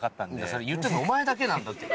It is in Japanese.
それ言ってんのお前だけなんだって。